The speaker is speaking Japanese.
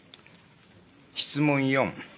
質問４。